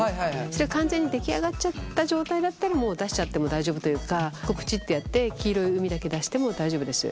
それが完全に出来上がっちゃった状態だったらもう出しちゃっても大丈夫というかぷちっとやって黄色い膿だけ出しても大丈夫です。